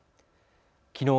きのう